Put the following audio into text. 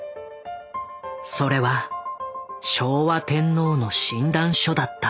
それは昭和天皇の診断書だった。